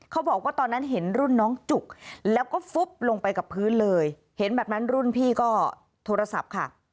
เขาบอกว่าตอนนั้นเห็นรุ่นน้องจุกแล้วก็ฟุบลงไปกับพื้นเลยเห็นแบบนั้นรุ่นพี่ก็โทรศัพท์ค่ะ